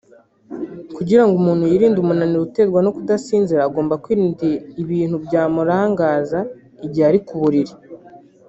Kugira ngo umuntu yirinde umunaniro uterwa no kudasinzira agomba kwirinda ibintu byamurangaza igihe ari ku buriri